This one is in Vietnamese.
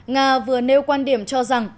nga vừa nêu quan điểm cho rằng